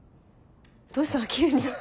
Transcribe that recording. どうしたの？